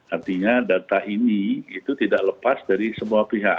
artinya data ini itu tidak lepas dari semua pihak